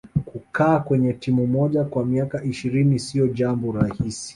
kukaa kwenye timu moja kwa miaka ishirini siyo jambo rahisi